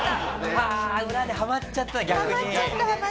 ああ裏でハマっちゃった逆に。